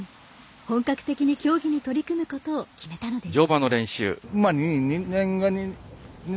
本格的に競技に取り組むことを決めたのです。